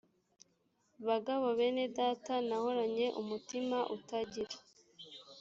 bagabo bene data nahoranye umutima utagira